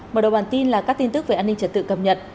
mở đầu bản tin là các tin tức về an ninh trật tự cập nhật